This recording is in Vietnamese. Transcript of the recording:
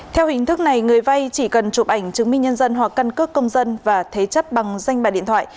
theo hình thức này người vay chỉ cần chụp ảnh chứng minh nhân dân hoặc căn cước công dân và thế chất bằng danh bài điện thoại